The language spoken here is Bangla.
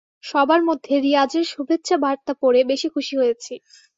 সবার মধ্যে রিয়াজের শুভেচ্ছাবার্তা পড়ে বেশি খুশি হয়েছি।